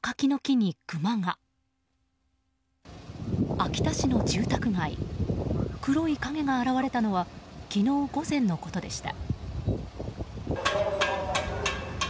秋田市の住宅街黒い影が現れたのは昨日午前のことでした。